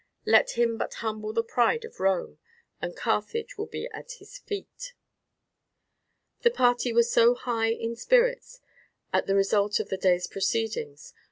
Let him but humble the pride of Rome, and Carthage will be at his feet." The party were in high spirits at the result of the day's proceedings.